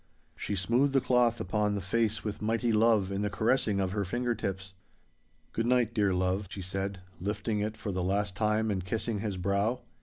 She smoothed the cloth upon the face with mighty love in the caressing of her finger tips. 'Good night, dear love,' she said, lifting it for the last time and kissing his brow.